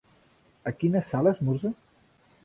A quina sala esmorza?